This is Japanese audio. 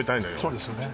そうですよね